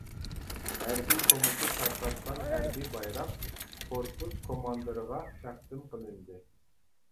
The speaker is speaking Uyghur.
ھەربىي كومىتېت تارقاتقان ھەربىي بايراق كورپۇس كوماندىرىغا تەقدىم قىلىندى.